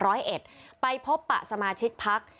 คณะลงพื้นที่จังหวัดร้อยเอ็ดไปพบประสมาชิกพักษ์